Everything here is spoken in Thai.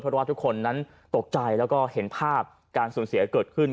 เพราะว่าทุกคนนั้นตกใจแล้วก็เห็นภาพการสูญเสียเกิดขึ้น